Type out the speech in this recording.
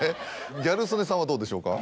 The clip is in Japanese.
ギャル曽根さんはどうでしょうか？